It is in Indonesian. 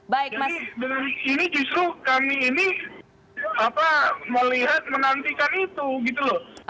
jadi dari sini justru kami ini melihat menantikan itu gitu loh